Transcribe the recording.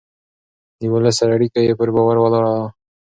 د ولس سره اړيکه يې پر باور ولاړه وه.